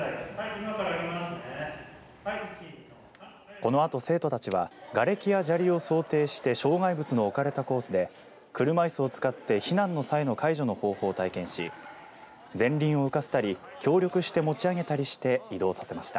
このあと、生徒たちはがれきや砂利を想定して障害物の置かれたコースで車いすを使って避難の際の介助の方法を体験し前輪を浮かせたり協力して持ち上げたりして移動させました。